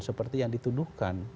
seperti yang dituduhkan